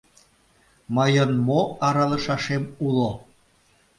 Мыйын мо аралышашем уло?